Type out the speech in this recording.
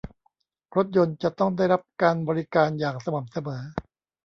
รถยนต์จะต้องได้รับการบริการอย่างสม่ำเสมอ